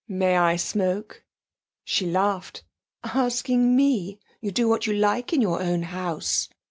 'May I smoke?' She laughed. 'Asking me! You do what you like in your own house.'